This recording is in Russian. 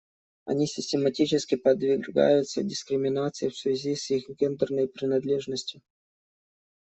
Они систематически подвергаются дискриминации в связи с их гендерной принадлежностью.